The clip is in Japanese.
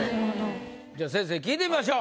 じゃあ先生に聞いてみましょう。